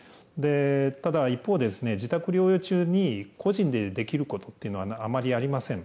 ただ、一方で、自宅療養中に、個人でできることっていうのはあまりありません。